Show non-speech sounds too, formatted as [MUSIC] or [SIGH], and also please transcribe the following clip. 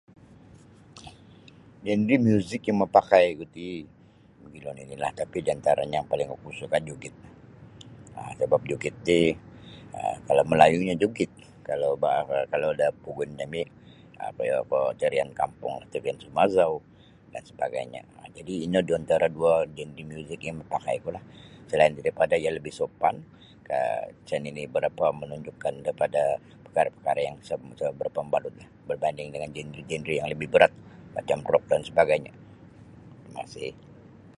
Genre muzik yang mapakai ku ti mogilo nini lah tapi di antaranya paling aku suka jogetlah um sabab joget ti kalau malayunyo joget kalau da ba kalau da pogun jami um [UNINTELLIGIBLE] tarian kampunglah tarian sumazau dan sebagainya jadi ino antara duo genre muzik mapakai ku lah selain daripads iyo lebih sopan um isa nini barapa manunjukkan da pada parkara-parkara yang isa barapa mabalut lah berbanding daripada genre yang lebih berat macam rock dan sebagainya makasi.